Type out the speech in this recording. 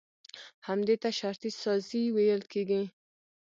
همدې ته شرطي سازي ويل کېږي.